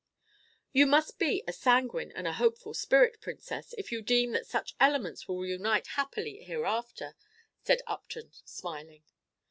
"You must be a sanguine and a hopeful spirit, Princess, if you deem that such elements will unite happily hereafter," said Upton, smiling.